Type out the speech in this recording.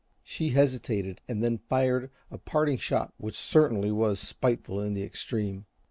She hesitated, and then fired a parting shot which certainly was spiteful in the extreme.